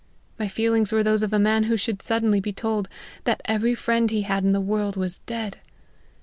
My feelings were those of a man who should suddenly be told, that every friend he had in the world was dead.